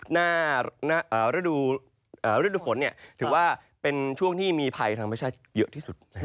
ฤดูฝนถือว่าเป็นช่วงที่มีภัยทางธรรมชาติเยอะที่สุด